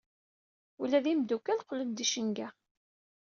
Ula d imeddukal qqlen d icenga.